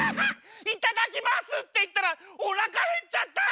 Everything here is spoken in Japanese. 「いただきます」っていったらおなかへっちゃった。